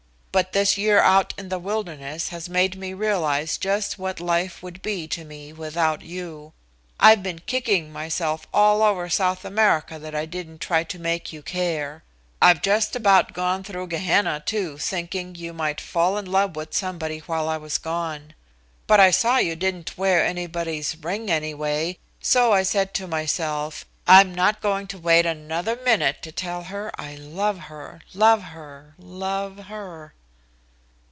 But this year out in the wilderness has made me realize just what life would be to me without you. I've been kicking myself all over South America that I didn't try to make you care. I've just about gone through Gehenna, too, thinking you might fall in love with somebody while I was gone. But I saw you didn't wear anybody's ring anyway, so I said to myself, 'I'm not going to wait another minute to tell her I love her, love her, love her.'"